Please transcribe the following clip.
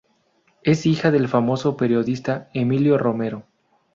Es hija del famoso periodista Emilio Romero.